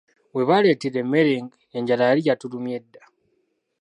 Webaleetera emmere, enjala yali yatulumye dda.